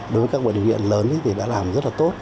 đối với các bệnh viện lớn thì đã làm rất là tốt